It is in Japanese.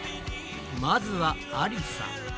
まずはありさ。